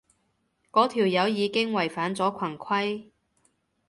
嗰條友已經違反咗群規